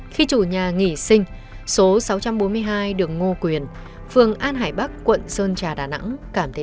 khi chủ nhà nghỉ sinh số sáu trăm bốn mươi hai đường ngô quyền phường an hải bắc quận sơn trà đà nẵng cảm thấy